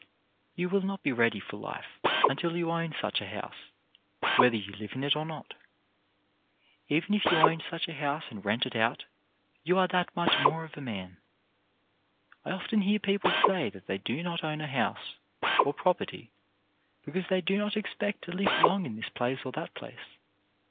You will not be ready for life until you own such a house, whether you live in it or not. Even if you own such a house and rent it out, you are that much more of a man. I often hear people say that they do not own a house, or property, because they do not expect to live long in this place or that place.